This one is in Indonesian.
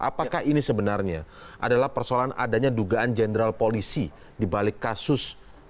apakah ini sebenarnya adalah persoalan adanya dugaan jenderal polisi dibalik kasus